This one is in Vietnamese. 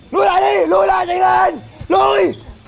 lùi lại đi lùi lại nhanh lên lùi